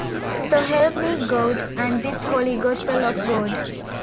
So help me God and this holy Gospel of God.